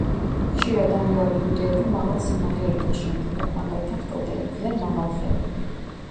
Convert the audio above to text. ხშირად ამგვარი ბუდეები მაღალ სიმაღლეებზე შენდება, მაგალითად კლდეებზე ან მაღალ ხეებზე.